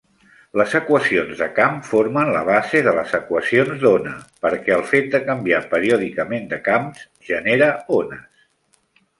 Les equacions de camp formen la base de les equacions d'ona, perquè el fet de canviar periòdicament de camps genera ones.